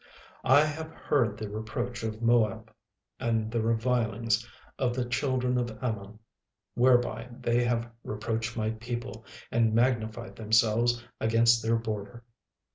36:002:008 I have heard the reproach of Moab, and the revilings of the children of Ammon, whereby they have reproached my people, and magnified themselves against their border.